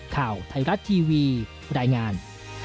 ข่าวไทยรัฐทีวีรายงาน